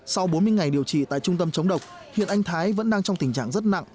sau bốn mươi ngày điều trị tại trung tâm chống độc hiện anh thái vẫn đang trong tình trạng rất nặng